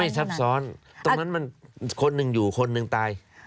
ซับซ้อนตรงนั้นมันคนหนึ่งอยู่คนหนึ่งตาย